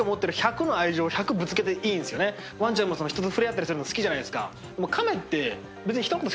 ワンちゃんも人と触れ合ったりするの好きじゃないですか。